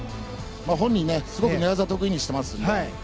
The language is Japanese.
本人、すごく寝技を得意にしていますので。